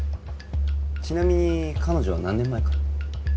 ちなみに彼女は何年前から？